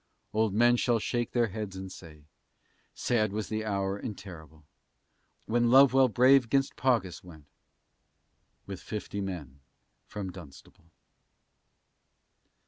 Old men shall shake their heads, and say, Sad was the hour and terrible, When Lovewell brave 'gainst Paugus went, With fifty men from Dunstable.